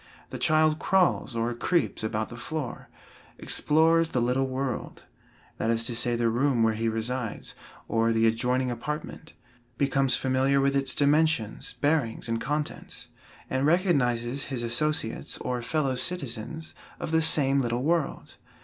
The child crawls or creeps about the floor; explores the little world that is to say, the room where he resides, or the adjoining apartment becomes familiar with its dimensions, bearings and contents, and recognizes his associates or fellow citizens of the same little world.